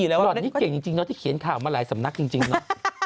แล้วที่เขียนข่าวมาหลายสำนักจริงเนอะ